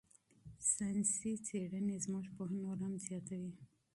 ساینسي کشفیات زموږ پوهه نوره هم زیاتوي.